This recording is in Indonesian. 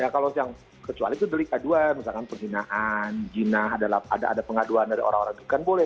kalau yang kecuali itu delik aduan misalkan penghinaan jinah ada pengaduan dari orang orang itu kan boleh